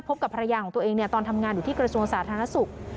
กับภรรยาของตัวเองตอนทำงานอยู่ที่กระทรวงสาธารณสุข